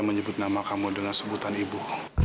menyebut nama kamu dengan sebutan ibu